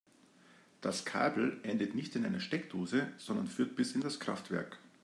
Das Kabel endet nicht in einer Steckdose, sondern führt bis in das Kraftwerk.